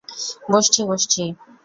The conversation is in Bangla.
বসছি, বসছি।